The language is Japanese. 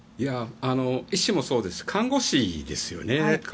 医師もそうですが看護師ですよね。